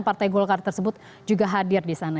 partai golkar tersebut juga hadir disana